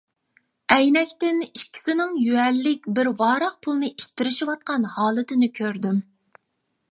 ئەينەكتىن ئىككىسىنىڭ يۈەنلىك بىر ۋاراق پۇلنى ئىتتىرىشىۋاتقان ھالىتىنى كۆردۈم.